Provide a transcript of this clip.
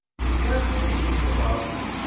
Because as stated above (Q.